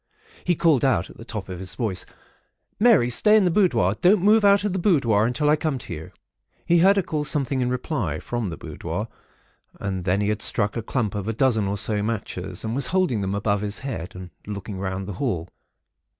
He called out at the top of his voice:—'Mary, stay in the boudoir. Don't move out of the boudoir until I come to you.' He heard her call something in reply, from the boudoir, and then he had struck a clump of a dozen, or so, matches, and was holding them above his head, and looking round the hall.